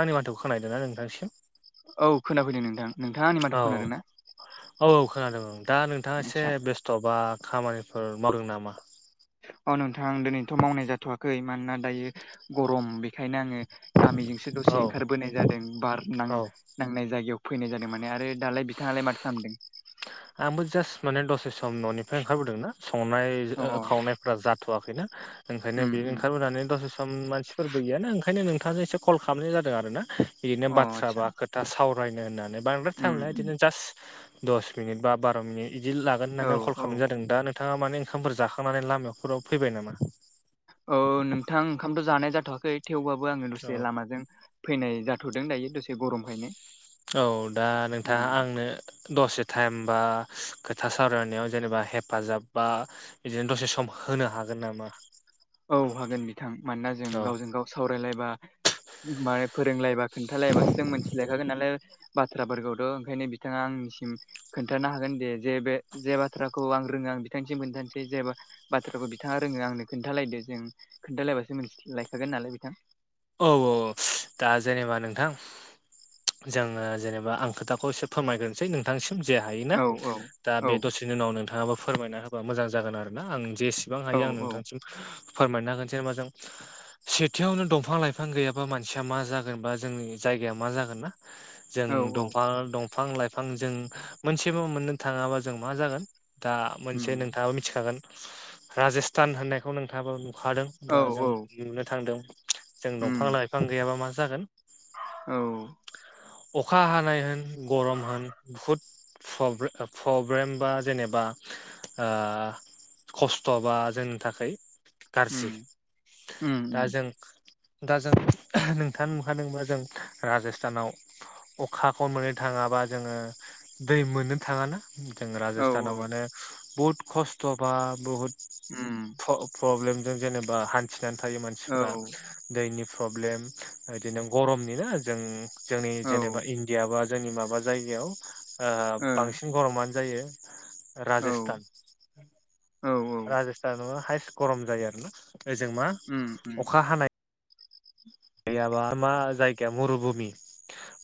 आंनि माथोखौ खोनाहैदों ना नोंथांसिम औ खोनाफैदों नोंथां नोंथाङा आंनि माथो औ खोनादों ना? औ औ खोनादों दा नोंथाङा एसे आदसा बेस्थ' बा खामानिफोर मावदों नामा? औ नोंथां दोनैथ' मावनाय जाथ'वाखै मानोना दायो गरम बेखायनो आङो गामिजोंसो औ दसे ओंखारबोनाय जादों बारनां औ नांनाय जायगायाव फैनाय जादों माने आरो दालाय बिथाङालाय माथो खालामदों आंबो जास्ट माने दसे सम न'निफ्राय ओंखारबोदों ना संनाय जो अ ओ खावनाय फोरा जाथ'वाखैना ओंखायनो उम बे उम ओंखारबोनानै दसे खोम मानसिफोरबो गैयाना ओंखायनो नोंथांजों एसे कल खालामनाय जादों आरो ना ओरैनो अ बास्सा आदसा बा खोथ दा सावरायनो होननानै बांद्राय टाइम लाया उम इदिनो जास्ट दस मिनिट बा बार' मिनिट बिदि लागोन औ होननानै आं कल औ खालामनाय जादों दा नोंथाङा माने ओंखामफोर जाखांनानै लामायावफोराव फैबाय नामा? औ नोंथां ओंखामथ' जानाय जाथ'वाखै थेवबाबो आङो औ दसे लामाजों फैनाय जाथ'दों दायो दसे गरम खायनो औ दा नोंथाङा आंनो दसे थाइम बा खोथा सावरायनायाव जेनेबा हेफाजाब बा इदिनो दसे सम होनो हागोन नामा? औ हागोन बिथां मानोना जों औ गावजों गाव सावरायलायबा माने फोरोंलायबा खोन्थालायबासो जों मोनथिलायखागोन नालाय बाथ्राफोरखौथ' ओंखायनो बिथाङा आंनिसिम खोन्थानो हागोन दे जे बे जे बाथ्राखौ आं रोङा बिथांनिसिम खोनथानोसै जेनेबा बाथ्राखौ बिथाङा रोङो आंनो खोन्थालायदो जों खोन्थालायबासो मिथिलायखागोन नालाय बिथां औ औ अ दा जेनेबा नोंथां जोङो जेनेबा आं खोथाखौ एसे फोरमायग्रोन सै नोंथांनिसिम जे हायोना औ औ दा औ बे दसेनि उनाव नोंथाङाबो फोरमायना होब ओ मोजां जागोन आरोना आं जेसेबां औ हायो आं नोंथांनिसिम फोरमायनो हागोन जेनबा जों सेथियावनो दं बिफां लाइफां गैयाबा मानसिया मा जागोन बा जोंनि जायगाया मा जागोन ना जों औ औ दंफां दंफां लाइफां जों मोनसेबो मोननो थाङाबा जों मा जागोन दा मोनसे उम नोंथाङाबो मिथिखागोन राजस्थान होननायखौ नोंथाङाबो खादों औ बा जों औ नुनो थांदों जों दंफां उम लाइफां गैयाबा मा जागोन औ अखा हानाय होन गरम होन बुहुत फब्रे ओ फब्रेम बा जेनेबा ओ खस्थ' बा जोंनि थाखाय उम गारजि उम दा उम जों दा जों नोंथाङानो नुखादोंबा जों राजस्थानाव अखाखौ मोननो थाङाबा जोङो दै मोननो थाङाना जोङो औ औ राजस्थानाव माने बुहुत खस्थ' बा बहुद उम ओ फब्लेमजों जेनेबा हान्थिनानै थायो औ मानसिफोरा दैनि फब्लेम ओ इदिनो गरमनि नो जों जोंनि औ ओ जेनेबा इण्डियाबा जोंनि माबा जायगायाव औ ओ बांसिन गरमानो जायो औ राजोस्थान औ राजस्थानावनो हाइस गरम जायो आरोना ओजों मा उम उम अखा हानाय गैयाबा मा जायगाया मुरुभुमि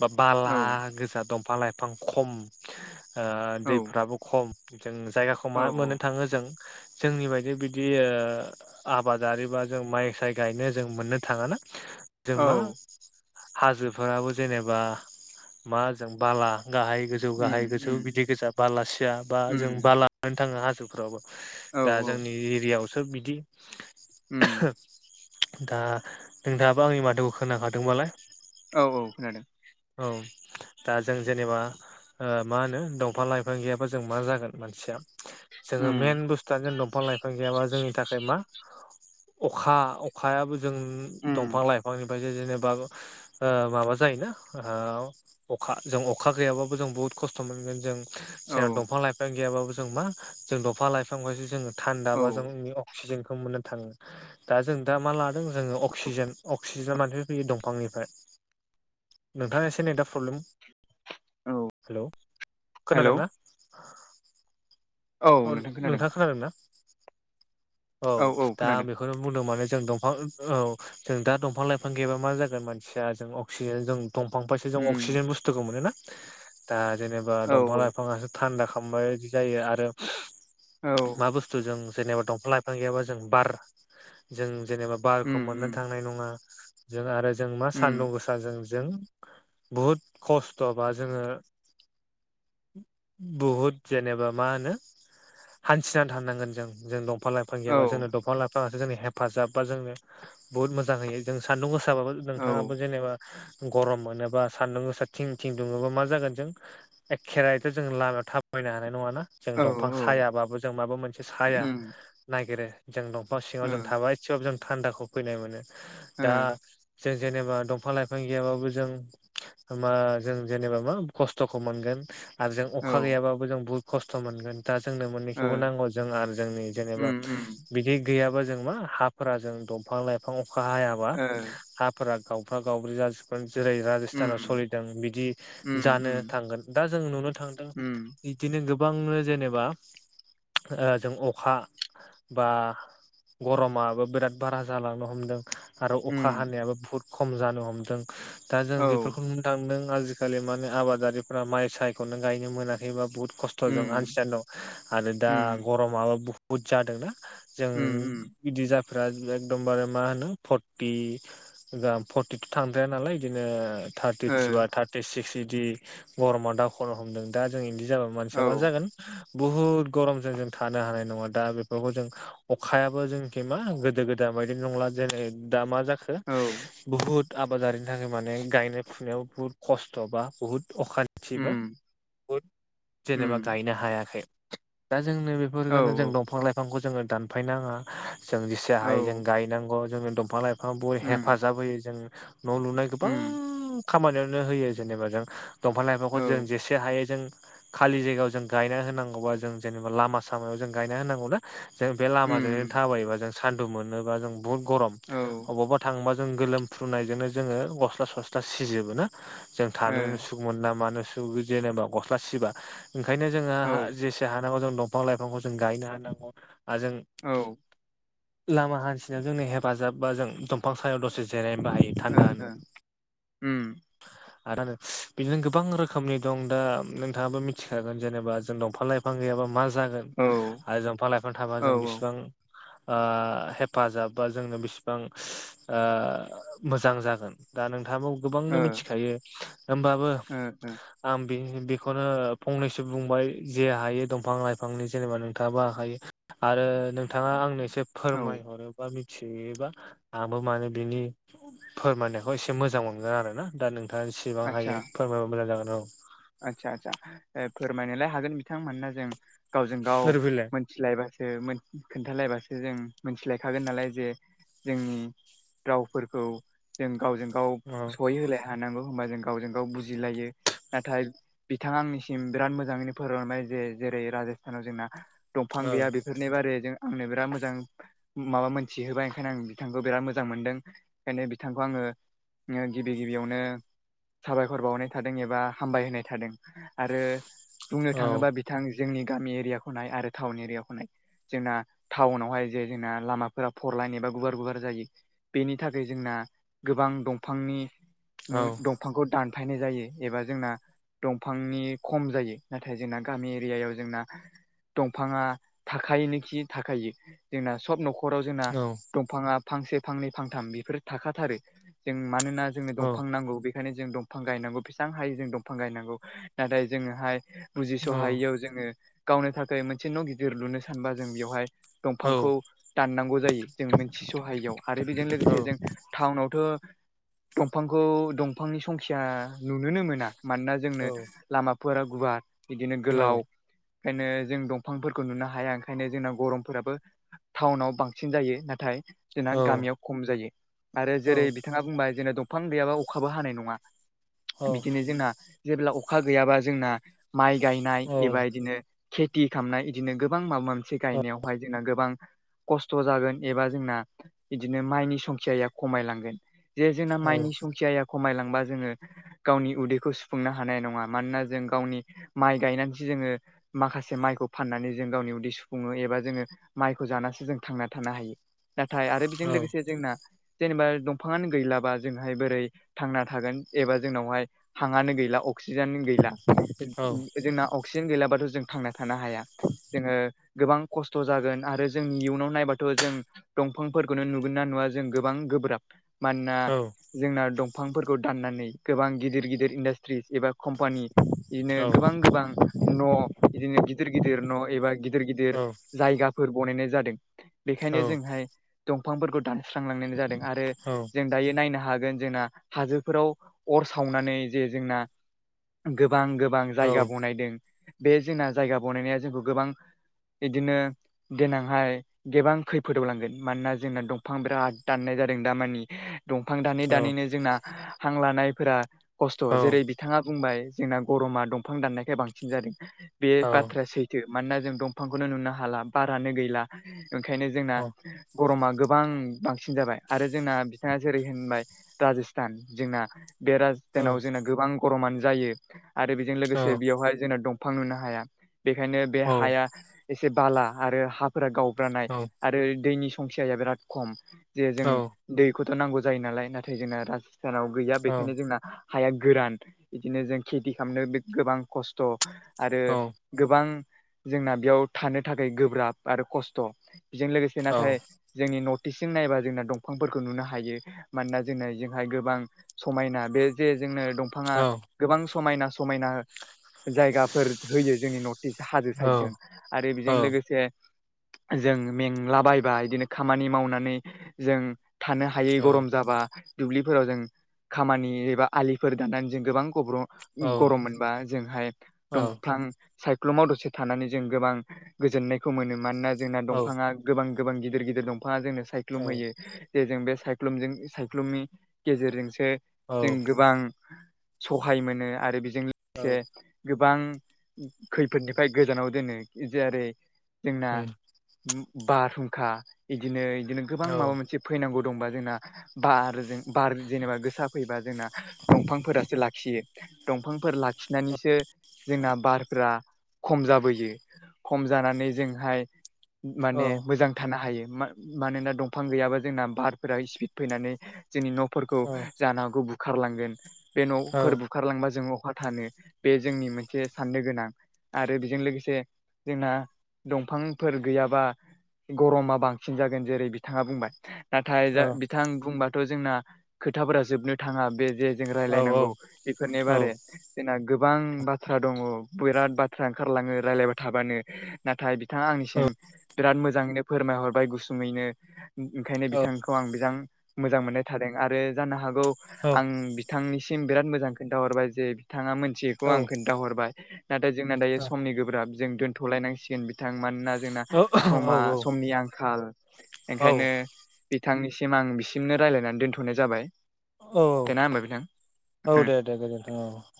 बा औ बाला गोजा दंफां लाइफ फां खम ओ औ दैफ्राबो खम जों जायगाख खौ औ मा मोननो थाङो जों जोंनि बायदि बिदि ओ आबादारि बा जों माइ साय गायनो जों मोननो थाङाना जों मा औ हाजोफोराबो जेनेबा मा जों बाला गाहाय गोज जौ उम गाहाय गोजौ उम बिदि गोजा बालासिया बा जों उम बाला लानो थाङो हाजोफ्रावबो औ दा औ जोंनि एरियावसो बिदि उम दा नोंथाङाबो आंनि माथोखौ खोना खादोंबालाय औ औ खोनादों। औ दा जों जेनेबा ओ मा होनो दंफां लाइफां गैयाबा जों मा जागोन मानसिया जोङो उम मेन बुस दा जों दंफां लाइफां गैयाबा जोंनि थाखाय मा अखा अखायाबो जों उम दंफां लाइफांनिफ्रायसो जेनेबा ओ माबा जायोना ओ अखा जों अखा गैयाबाबो जों बुहुत खस्थ' मोनगोन जों औ जेराव दंफां लाइफां गैयाबाबो जों मा जों दंफां लाइफांखौसो जोंङो? थान्दा औ बा जोंनि अक्सिजेनखौ मोननो थांङो दा जों दा मा लादों जों अक्सिजेन अक्सिजेना मानिफ फैयो दंफांनिफ्राय नोंथांङा एसे नै दा प्रब्लेम औ हेल' हेलौ खोनादोंना? औ नोंथांङा खोनादों ना? औ दा आं बेखौनो बुंदों माने जों दंफां औ जों दा दंफां लाइफां गैयाबा मा जागोन मानसिया जों अक्सिजेन जों दंफां फायसो जों उम अक्सिजेन बुस्थुखौ मोन ना दा जेनेबा औ दंफां लाइफांङासो थान्दा खालामबाय बायदि जायो आरो औ मा बुस्थु बुस्थु जों जेनेबा दफां लाइफां गैयाबा जों बार जों जेनेबा बारखौ उम मोननो उम थांनाय नंङा जों आरो जों मा उम सान्दुं गोसा जों बुहुद खस्थ' बा जोंङो बहुद जेनेबा मा होनो। हान्थिनानै थानांगोन जों जों दंफां लाइफां औ गैाबा जोंनो दंफां लाइफां जोंनि हेफाजाब बा जोंनो बुहुत मोजां होयो जों सान्दुं गोसाबाबो औ नोंथांङाबो जेनेबा गरम मोनोबा सान्दुं गोस थिं थिं दुंङोबा मा जागोन जों एखेरायथ' जों लामायाव थाबायनो हानाय नंङााना जों औ दंफां सायाबाबो जों माबा मोनसे साया उम नागिरो जों दंफां सिंङाव ओ जों थाबाय एसेबाबो जों थान्दाखौ फैनाय मोनो दा जों जेनेबा दंफां लाइफां गैयाबाबो जों मा जों जेनेबा मा खस्थ'खौ मोनगोन। आरो जों ओ अखा गैयाबाबो जों बुहुत खस्थ' मोनगोन। दा जोंनो औ ओ मोननैखौबो नांगौ जों आरो जोंनि जेनेबा उम उम बिदि गैयाबा जों मा हाफोरा जों दंफां लाइफां अखा हायाबा ओ ह फोर गावफ्रा गावब्रै जसिोबगोन जेरै उम [unintelligible] सोलिदों बिदि उम जानो उम थांगोन दा जों नुनो थांदों उम बिदिनो गोबांनो जेनेबा जों अखा। बा गरमाबो बिराद बारा जालांनो हमदों। आरो अखा उम हानायाबो बुहुत खम जानो हमदों। दा जों औ बेफोरखौ नुनो थांदों आजि आजिखालि माने आबादारिफ्रा माइ सायखौनो गायनो मोनाखैबा बुहुत खस्थ'जों उम आन्सिान दं आरो दा उम गरमाबो बुहुत जादोंना जों उम उम बिदि जाफ्रा एखदमबारे मा होनो फर्टि फर्टिथ' थांद्राया नालाय बिदिनो थार्टि ओ थ्रि बा थार्टि सिक्स इदि गरमा दा खराव हमदों दा जों इन्दि जा मानसिया औ मा जागोन बुहुत गरम जागोन थानो हानाय नंङा दा बेफोरखौ जों अखायाबो जोंखि मा गोदो गोदाय बायदि नंला जेनै दा मा जाखो औ बहुत आबादारिनि थाखाय माने गायनाय फुनायाव बुहुत खस्थ बा बुहुत अखान गासिबो उम जेनेबा उम गायनो हायाखै दा जोंनो बे औ बेफोरखौनो जों औ दंफां लाइफांखौ जोंङो दानफाय नांङा। जों जेसे औ हायो जों गायनांगौ जोंनो दंफां लाइफां बयबो उम हेफाजाब होयो जों न' लुनाय गोबां उम खामानियावनो होयो जेनेबा जों दंफां लाइफांखौ औ जों जेसे हायो जों खालि जायगायाव जों गायना होनांगौ [unintelligible] जेनेबा लामा सामायाव जों गायना होनांगौ ना जों बे लामाजोंनो उम थाबायोबा जों सान्दुं मोनोबा जों बुहुत गरम औ ओ बबावबा थांबा जों गोलोमफ्रुनायजोंनो जोंङो गस्ला सस्ला सिजोबो ना जों औ थानोनो सुख मोन ना मानो सुख जेनेबा गस्ला सिबा ओंखायनो औ जोंहा जेसे हानांगौ जों दंफां लाइफांखौ जों गायनो हानांगौ आरो जों ओ लामा हान्थिनायाव जोंनि हेफाजाब बा जों दंफां सायाव दसे जेरायबाय थानो उम आरो बिदिनो गोबां रोखोमनि दं दा नोंथाङाबो मिथिखागोन जेनेबा जों दं। फां लाइफां गैयाबा मा जागोन औ आरो जों फालइफांनो थाबा औ ओ जों ओ बिसिबां। ओ-हेफाजाब बा जोंनो बिसिबां ओ मोजां जागोन। दा नोंथाङा गोबांनो औ मिथिखायो होमबाबो। आं बेखौनो फंनैसो बुंबाय जे हायो दंफां लाइफांनि जेनेबा नोंथाङाबो हाखायो आरो नोंथाङा आंनो एसे फोरमायहरोबा मिथिहैयोबा आंबो माने बिनि फोरमायनायखौ एसे मोजां मोनगोन आरो ना दा नोंथाङा एसेबां आदसा हायो फोरमायबा मोजां जागोन औ। आदसा आदसा फोरमायनोलाय हागोन बिथांमोना जों गावजों गाव। नोरबिलाय मिथिलायबासो खोन्थालायबासो जों मिथिलायखागोन नालाय जे जोंनि। रावफोरखौ जों गावजों गाव औ सहै होलाय हानांगौ होनोमबा जों गावजों गाव बुजिलायो। नाथाय बिथाङा आंनिसिम बिराद मोजाङैनो फोरमोंबाय जे जेरै राजस्थानाव जोंना। दंफां औ गैया बेफोरनि बारैजों आंनो बिराद मोजां। माबा मोनथिहोबाय ओंखायनो आं बिथांखौ बिराद मोजां मोनदों ओंखायनो बिथांखौ आङो। गिबि गिबियावनो साबायखर बावनाय थादों एबा हामबाय होनाय थादों आरो बुंनो औ थाङोबा। थां जोंनि गामि एरियाखौ नाय आरो टाउन एरियाखौ नाय। जोंना टाउनावहाय जे जोंना लामाफोरा फरलायनायबा गुवार गुवार जायो। बेनि थाखाय जोंना गोबां दंफांनि औ दंफांखौ दानफायनाय जायो एबा जोंना दंफांनि खम जायो नाथाय जोंना गामि एरियायाव जोंना। दंफाङा थाखायोनोखि थाखायो जोंना सब नख नखराव जोंना औ दंफाङा फांसे फांनै फांथाम बेफोरो थाखाथारो जों मानोना। जोंनो औ दंफां नांगौ बेनिखायनो जों दंफां गायनांगौ बेसेां हायो जों दंफां गायनांगौ नाथाय जोङोहाय। बुजिस औ हायैयाव जोङो गावनो थाखाय मोनसे न गिदिर लुनो सानबा जों बेवहाय। औ दंफांखौ दाननांगौ जायो जों मोनथि सहायैयाव आरो बेजों लोगोसे जों टाउनावथ। दंफांखौ दंफांनि संखिया नुनोनो मोना। मानोना औ जोंनो लामाफोरा गुवार बिदिनो गोलाव। ओंखायनो जों दंफांफोरखौ नुनो हाया ओंखायनो जोंना गरमफोराबो। टाउनाव बांसिन जायो नाथाय जोंना औ गामियाव खम जायो आरो जेरै बि थाङा बुंबाय जेनना दंफां गैयाबा अखाबो हानाय नङा बिदिनो जोंना। जेब्ला अखा गैयाबा जोंना माइ गायनाय एबा इदिनो। खेथि खालामनाय बिदिनो गोबां माबा मोनसे औ गायनायावहाय जोंना गोबां। खस्थ जागोन एबा जोंना इदिनो माइनि संखियाया खमायलांगोन। जे जोंना औ माइनि संख्याया खमायलांबा जोङो गावनि उदैखौ सु फुंनो हानाय नङा मानोना जों गावनि माइ गायनानैसो जोङो। माखासे माइखौ फाननानै जों गावनि उदै सुफुङो एबा जोङो। माइखौ जानानैसो जों थांना थानो हायो नाथाय आरो बेजों लोगोसे जोंना। जेनेबा दंफाङानो गैलाबा जोंहाय बोरै थांना थागोन एबा जोंनावहाय हांनो गै ला अक्सिजेन गैला औ औ जोंना अक्सिजेन गैलाबाथ जों थांना थानो हाया जोङो गोबां खस्थ जागोन आरो जोंनि इयुनाव नायबाथ जों दंफांफोरखौनो नुगोन ना नुवा जों गोबां गोब्राब। मानोना औ जोंना दंफांफोरखौ दाननानै गोबां गिदिर गिदिर इन्डास्ट्रिस एबा। कम्पानि बिदिनो गोबां गोबां न बिदिनो गिदिर गिदिर न एबा गिदिर गिदिर जायगाफोर बनायनाय जादों बेखायनो जोंहाय दंफांफोरखौ दानस्रांलां जादों आरो। औ जों दायो नायनो हागोन जोंना हाजोफोराव अर सावनानै जे जोंना। गोबां गोबां औ जायगा बनायदों बे जोंना जायगा बनायनाया जोंखौ गोबां। इदिनो देनांहाय। गोबां खैफोदाव लांगोन मानोना जोंना दंफां बिराद दाननाय जादों दामानि दंफां दानै औ दानैनो जोंना हां लानायफोरा थ' औ जेरै बिथाङा बुंबाय जोंना गरमा दंफां दाननायखाय बांसिन जादों बे औ बाथ्राया सै थो मानोना जों दंफांखौनो नुनो हाला बारानो गैला ओंखायनो जोंना गरमा गोबां बांसिन जाबाय आरो जोंना बिथाङा जेरै होनबाय राजस्थान जोंना बे राज औ सतानाव जोंना गोबां गरमानो जायो आरो बेजों औ लोगोसे बेयावहाय जोंना दंफां नुनो हाया बेखायनो बे औ हाया एसे बाला आरो हा फोर गावब्रानाय औ आरो दैनि संखियाया बिराद खम जे जों दैखौथ' नांगौ जायो नालाय नाथाय जोंना राजस्थानाव गैया औ बेखायनो जोंना हाया गोरान बिदिनो जों खेथि खालामनो बे गोबां खस्थ' आरो गोबां जोंना बेयाव थानो थाखाय गोब्राब आरो खस्थ' बेजों लोगोसे नाथाय जोंनि नर्टिसजों नायबा जोंना दंफांफोरखौ नुनो हायो मानोना जोंना इजोंहाय गोबां समायना बे जे जोंनो दंफाङा गोबां समायना समायना जायगाफोर होयो जोंनि न टिस हाजो साइदजों आरो बेजों लोगोसे जों मेंलाबायबा बिदिनो खामानि मावनानै जों थानो ह हायै गरम जाबा दुब्लिफोराव जों खामानि एबा आलिफोर दानानै जों गोबां गब्र' गरम मोनबा जोंहाय दंफां सायख्लुमाव दसे थानानै जों गोबां गोजोननायखौ मोनो मानोना जोंना दंफाङा गोबां गोबां गिदिर गिदिर दंफाङा जोंनो सायख्लुम होयो। जे जों बे साय्लुमजों सायख्लुमनि गेजेरजोंसो जों गोब गोबां सहाय मोनो आरो बेजों लोगोसे गोबां खैफोदनिफ्राय गोजानाव दोनो जेरै जोंना बारहुंखा बिदिनो बिदिनो गोबां माबा मोनसे फैनांगौ दंबा जोंना बारजों बार जेनेबा गोसा फैबा जोंना दंफांफोरासो लाखियो दंफांफोर लाखिनानैसो जोंना बारफोरा खम जाबोयो खम जानानै जोंहाय माने मोजां थानो हायो मानोना दंफां गैयाबा जोंना बारफोरा स्पिड फैनानै जोंनि न'फोरखौ जानांगौ बुखारलांगोन बे न'फोर बुखारलांबा जों अबहा थानो बे जोंनि मोनसे साननो गोनां। आरो बेजों लोगोसे जोंना दंफांफोर गैयाबा गरमा बांसिन जागोन जेरै बिथाङा बुंबाय। नाथाय औ जा बिथां बुंबाथ' जोंना खोथाफोरा जोबनो थाङा बे जे जों रायलायनांगौ बेफोरनि बारे जोंना गोबां बाथ्रा दङ बिराद बाथ्रा ओंखारलाङो रायज्लायबाय थाबानो नाथाय बिथाङा आंनिसिम बिराद मोजाङैनो फोरमायहरबाय गुसुङैनो ओंखायनो बिथांखौ आं बेजां मोजां मोननाय थादों आरो जानो हागौ आं बिथांनिस सिम बिराद मोजां खोन्थाहरबाय जे बिथाङा मोनथियैखौ आं खोन्थाहरबाय। नाथाय जोंना दायो समनि गोब्राब जों दोनथ'लायनांसिगोन बिथां मानोना जोंना समा समनि आंखाल ओंखायनो बिथांनिसिम आं बिसिमनो रायज्लायनानै दोन्थ'नाय जाबाय औ दोना होमबा बिथां औ दे दे गोजोनथों औ